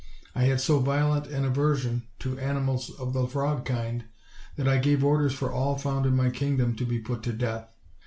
I had so violent an aversion to animals of the frog kind that I gave orders for all found in my kingdom to be put to death.